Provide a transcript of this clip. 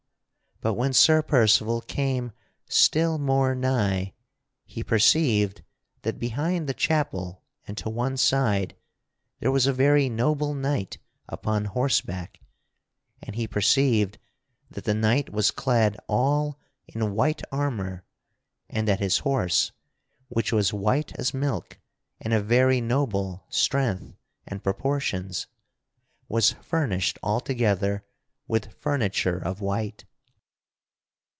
But when Sir Percival came still more nigh he perceived that behind the chapel and to one side there was a very noble knight upon horseback; and he perceived that the knight was clad all in white armor and that his horse (which was white as milk and of very noble strength and proportions) was furnished altogether with furniture of white.